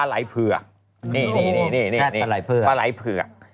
ใช่ปลาไหลผือก